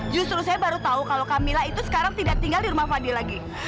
justru saya baru tahu kalau camilla itu sekarang tidak tinggal di rumah fadli lagi